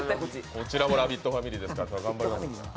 こちらもラヴィットファミリーですから頑張ります。